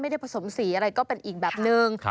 ผสมสีอะไรก็เป็นอีกแบบนึง